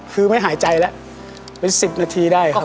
คือไม่หายใจแล้วเป็น๑๐นาทีได้ครับ